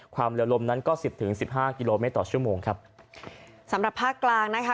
ความเร็วลมนั้นก็สิบถึงสิบห้ากิโลเมตรต่อชั่วโมงครับสำหรับภาคกลางนะคะ